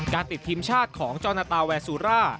ติดทีมชาติของจอนาตาแวซูร่า